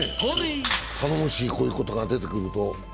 頼もしい、こういう方が出てくると。